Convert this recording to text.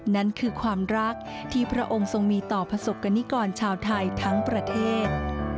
นั่นคือความรักที่พระองค์ทรงมีต่อประสบกรณิกรชาวไทยทั้งประเทศ